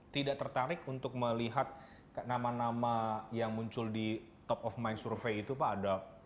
tidak tertarik untuk melihat nama nama yang muncul di top of mind survey itu pak